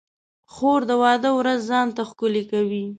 خور د واده ورځ ځان ته ښکلې کوي.